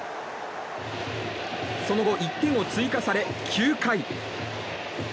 その後、１点を追加され９回。